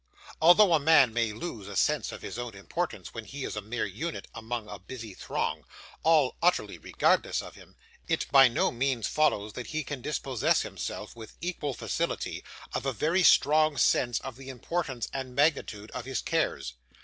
Although a man may lose a sense of his own importance when he is a mere unit among a busy throng, all utterly regardless of him, it by no means follows that he can dispossess himself, with equal facility, of a very strong sense of the importance and magnitude of his cares.